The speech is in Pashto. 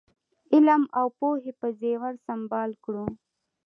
علم او پوهې په زېور سمبال کړو.